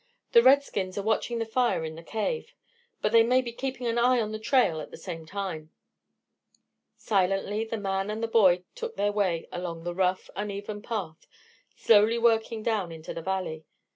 The redskins are watching the fire in the cave, but they may be keeping an eye on the trail at the same time." Silently the man and the boy took their way along the rough, uneven path, slowly working down into the valley.